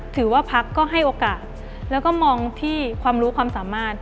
ถือว่าพักก็ให้โอกาสแล้วก็มองที่ความรู้ความสามารถ